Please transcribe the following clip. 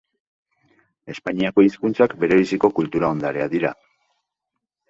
Espainiako hizkuntzak berebiziko kultura ondarea dira.